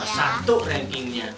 mah satu rankingnya